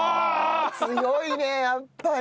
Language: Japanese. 強いねやっぱり。